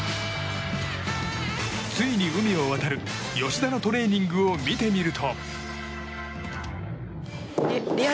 ついに海を渡る吉田のトレーニングを見てみると。